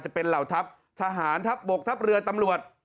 จะเป็นเหล่าทัพทหารทัพบกทัพเรือตำรวจ